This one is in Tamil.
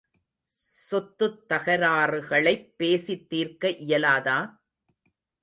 சொத்துத் தகராறுகளைப் பேசித் தீர்க்க இயலாதா?